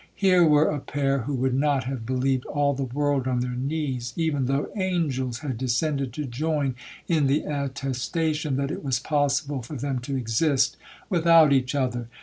Here were a pair who would not have believed all the world on their knees, even though angels had descended to join in the attestation, that it was possible for them to exist without each other.